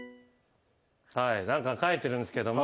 はい何か書いてるんですけども。